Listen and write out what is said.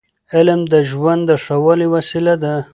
علم د ژوند د ښه والي وسیله ده.